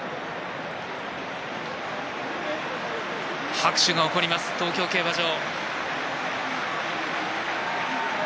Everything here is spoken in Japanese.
拍手が起こります、東京競馬場。